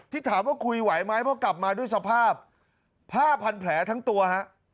ถามว่าคุยไหวไหมเพราะกลับมาด้วยสภาพผ้าพันแผลทั้งตัวฮะ